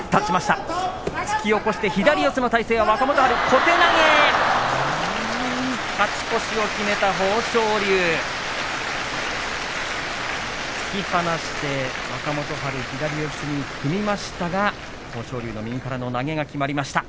小手投げ勝ち越しを決めた豊昇龍突き放して若元春左四つに組みましたが豊昇龍の右からの投げが決まりました。